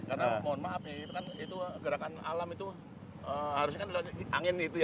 karena mohon maaf ya itu kan gerakan alam itu harusnya kan angin gitu ya